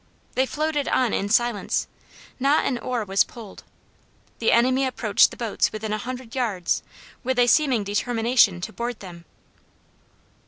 They floated on in silence not an oar was pulled. The enemy approached the boats within a hundred yards, with a seeming determination to board them.